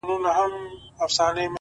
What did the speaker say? هره هڅه د اعتماد کچه لوړوي’